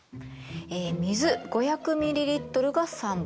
水５００ミリリットルが３本。